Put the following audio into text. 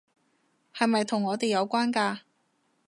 係咪同我哋有關㗎？